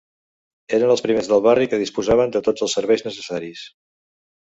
Eren els primers del barri que disposaven de tots els serveis necessaris.